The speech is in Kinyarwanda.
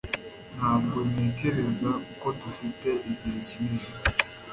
ntabwo ntekereza ko dufite igihe kinini